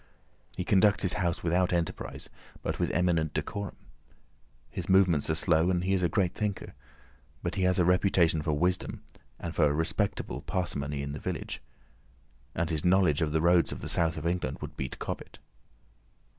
He conducts his house without enterprise, but with eminent decorum. His movements are slow, and he is a great thinker. But he has a reputation for wisdom and for a respectable parsimony in the village, and his knowledge of the roads of the South of England would beat Cobbett.